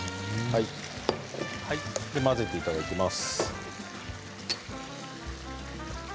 混ぜていただきます。